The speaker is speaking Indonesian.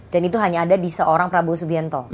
dan itu hanya ada di seorang prabowo subianto